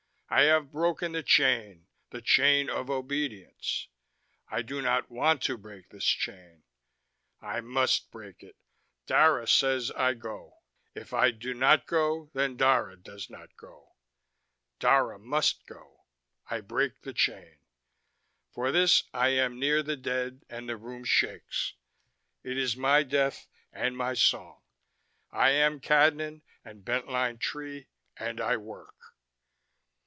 I have broken the chain, the chain of obedience. I do not want to break this chain. I must break it. Dara says I go. If I do not go then Dara does not go. Dara must go. I break the chain. For this I am near the dead and the room shakes. It is my death and my song. I am Cadnan and Bent Line Tree and I work."